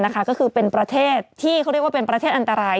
ก็คือเป็นประเทศที่เขาเรียกว่าเป็นประเทศอันตราย